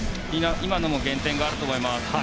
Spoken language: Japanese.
今のも減点があると思います。